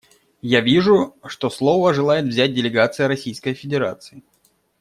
Я вижу, что слово желает взять делегация Российской Федерации.